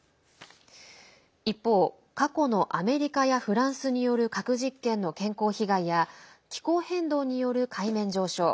一方、過去のアメリカやフランスによる核実験の健康被害や気候変動による海面上昇。